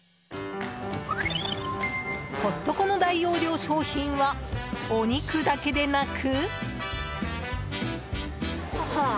コストコの大容量商品はお肉だけでなく。